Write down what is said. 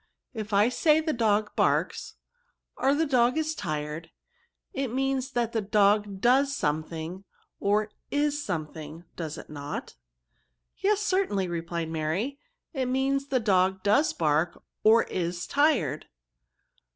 If I say the dog barks, or the dog is tired, it means that the dog does some thing, or is something; does it not?" " Yes, certainly," replied Mary. " It means the dog does bark, or is tired."